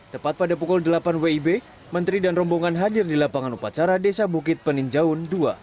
tepat pada pukul delapan wib menteri dan rombongan hadir di lapangan upacara desa bukit peninjauan dua